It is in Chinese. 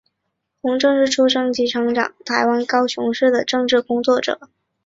洪正是出生及成长于台湾高雄市的政治工作者。